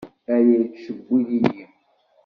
Aya yettcewwil-iyi.